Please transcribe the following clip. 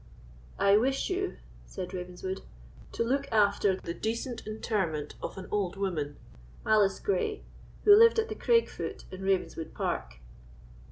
"I wish you," said Ravenswood, "to look after the decent interment of an old woman, Alice Gray, who lived at the Graig foot in Ravenswood Park."